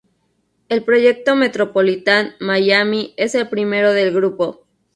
El proyecto Metropolitan Miami es el primero del grupo.